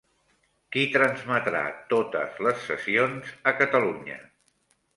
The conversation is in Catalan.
Qui transmetrà totes les sessions a Catalunya?